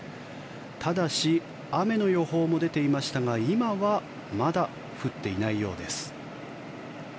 ただし、雨の予報も出ていましたが今はまだ降っていないようです。